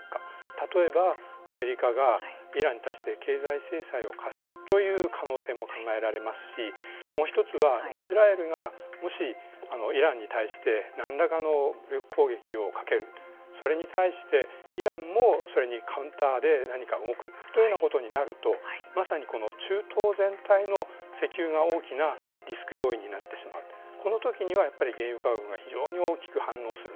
例えばアメリカがイランに対して経済制裁を科すという可能性も考えられますしもう一つはイスラエルがもしイランに対して何らかの武力攻撃をするそれに対してイランもそれにカウンターで何か動くというようなことになるとまさに中東全体のこの時にはやっぱり原油価格が非常に大きく反応する。